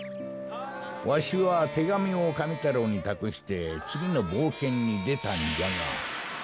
わしはてがみをカメ太郎にたくしてつぎのぼうけんにでたんじゃが。